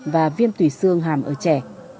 và viêm tủy xương hàm ở trẻ